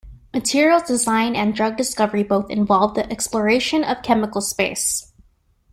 Materials design and drug discovery both involve the exploration of chemical space.